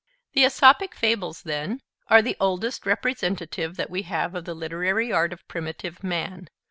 The Aesopic Fables, then, are the oldest representative that we have of the literary art of primitive man.